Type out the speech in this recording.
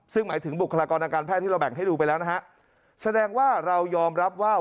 ซึ่งหมายถึงบุคลากรทางการแพทย์ที่เราแบ่งให้ดูไปแล้วนะฮะแสดงว่าเรายอมรับว่า